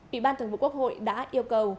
ủy ban thường vụ quốc hội đã yêu cầu